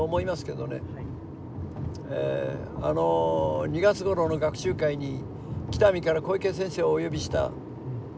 あの２月ごろの学習会に北見から小池先生をお呼びした。